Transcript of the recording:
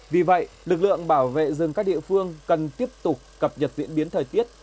vì vậy lực lượng bảo vệ rừng các địa phương cần tiếp tục cập nhật diễn biến thời tiết